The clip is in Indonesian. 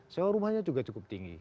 sewa rumahnya juga cukup tinggi